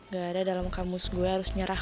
gak ada dalam kamus gue harus nyerah